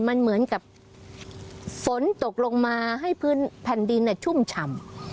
มันเหมือนกับฝนตกลงมาให้พื้นแผ่นดินชุ่มฉ่ำ